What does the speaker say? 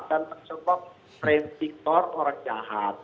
dan tersebut frame victor orang jahat